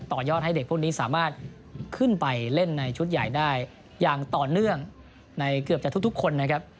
ยอดให้เด็กพวกนี้สามารถขึ้นไปเล่นในชุดใหญ่ได้อย่างต่อเนื่องในเกือบจะทุกคนนะครับ